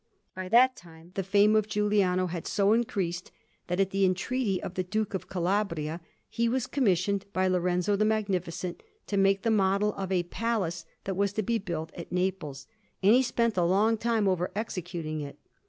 By that time the fame of Giuliano had so increased, that, at the entreaty of the Duke of Calabria, he was commissioned by Lorenzo the Magnificent to make the model for a palace that was to be built at Naples; and he spent a long time over executing it.